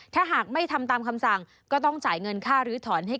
ถ้าหากไม่ทำตามคำสั่งก็ต้องจ่ายเงินค่าลื้อถอนให้